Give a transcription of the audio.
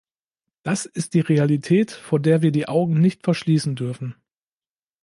Das ist die Realität, vor der wir die Augen nicht verschließen dürfen.